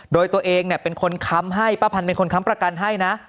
โดยตัวเองเป็นคนค้ำให้ป้าพันธ์เป็นคนค้ำประกันให้นะ